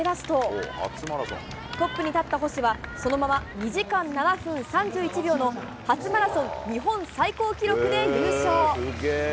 トップに立った星はそのまま２時間７分３１秒の初マラソン日本最高記録で優勝。